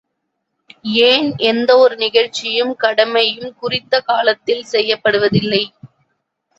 ஏன், எந்த ஒரு நிகழ்ச்சியும் கடமையும் குறித்த காலத்தில் செய்யப்படுவதில்லை!